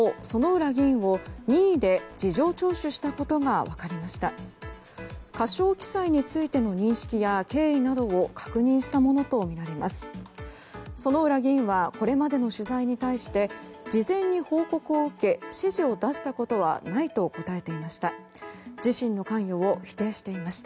薗浦議員はこれまでの取材に対して事前に報告を受け指示を出したことはないと答えていました。